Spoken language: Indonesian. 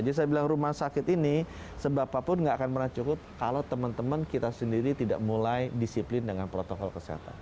saya bilang rumah sakit ini sebab apapun nggak akan pernah cukup kalau teman teman kita sendiri tidak mulai disiplin dengan protokol kesehatan